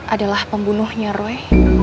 adalah pembunuhnya roy